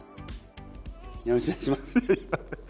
よろしくお願いします。